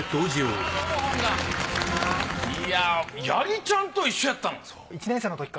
八木ちゃんと一緒やったの？